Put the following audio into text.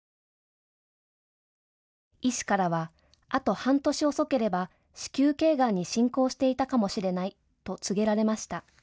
医師からは、あと半年遅ければ子宮頸がんに進行していたかもしれないと告げられました。